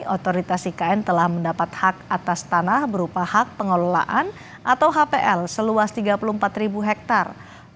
otoritas ikn telah mendapat hak atas tanah berupa hak pengelolaan atau hpl seluas tiga puluh empat ribu hektare